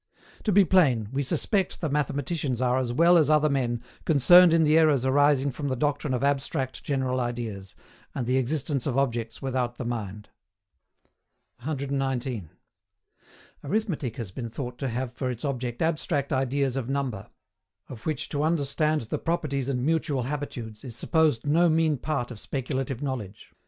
To be plain, we suspect the mathematicians are as well as other men concerned in the errors arising from the doctrine of abstract general ideas, and the existence of objects without the mind. 119. Arithmetic has been thought to have for its object abstract ideas of Number; of which to understand the properties and mutual habitudes, is supposed no mean part of speculative knowledge.